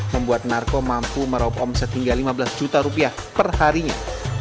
membuat narko mampu merob omset hingga rp lima belas perharinya